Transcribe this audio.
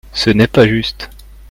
Ce n'est pas juste.